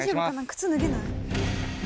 靴脱げない？